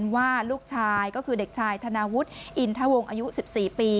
ว่าลูกชายก็คือเด็กชายธนาวุฒิอินทวงศ์อายุ๑๔ปี